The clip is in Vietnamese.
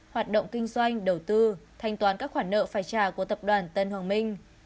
hoạt động kinh doanh đầu tư thanh toán các khoản nợ phải trả của tập đoàn tân hoàng minh